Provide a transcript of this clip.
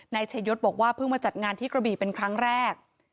นายชายศบอกว่าเพิ่งมาจัดงานที่กระบีเป็นครั้งแรก